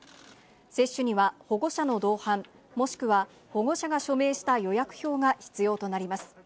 接種には保護者の同伴、もしくは保護者が署名した予約票が必要となります。